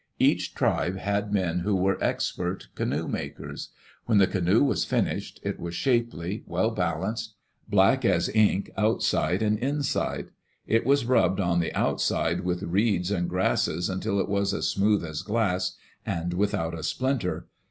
Each tribe had men who were expert canoe makers. When the canoe was finished, it was shapely, well balanced, black as ink outside and inside. It was rubbed on the outside with reeds and grasses until it was as smooth as glass, and without a splinter.